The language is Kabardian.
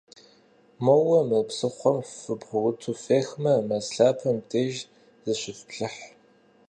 Моуэ мы псыхъуэм фыбгъурыту фехмэ, мэз лъапэм деж зыщыфплъыхь.